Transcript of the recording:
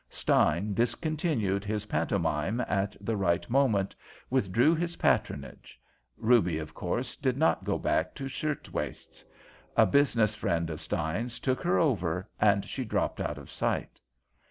Stein discontinued his pantomime at the right moment, withdrew his patronage. Ruby, of course, did not go back to shirtwaists. A business friend of Stein's took her over, and she dropped out of sight.